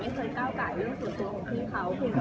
เคยก้าวไก่เรื่องส่วนตัวของพี่เขา